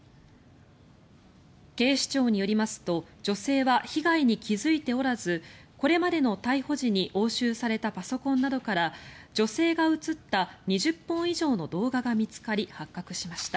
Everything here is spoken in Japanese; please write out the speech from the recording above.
警視庁によりますと女性は被害に気付いておらずこれまでの逮捕時に押収されたパソコンなどから女性が映った２０本以上の動画が見つかり発覚しました。